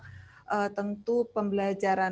tentu pembelajaran hybrid pembelajaran ngajak atau mikrotidik